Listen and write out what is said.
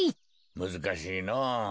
むずかしいのぉ。